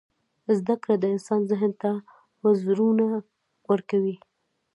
• زده کړه د انسان ذهن ته وزرونه ورکوي.